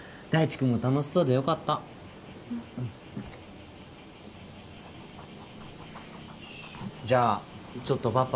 君も楽しそうでよかったうんじゃあちょっとパパ